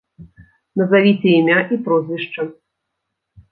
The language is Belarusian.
Назавіце імя і прозвішча.